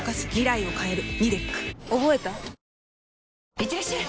いってらっしゃい！